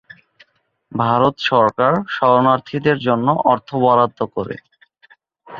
ভারত সরকার শরণার্থীদের জন্য অর্থ বরাদ্দ করে।